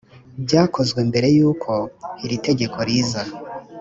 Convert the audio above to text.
byakozwe mbere y uko iri tegeko riza